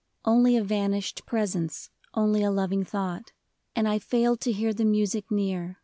Only a vanished presence, Only a loving thought, And I failed to hear the music near.